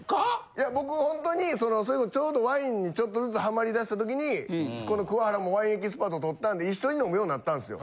いや僕ホントにちょうどワインにちょっとずつハマりだした時にこの桑原もワインエキスパート取ったんで一緒に飲むようになったんですよ。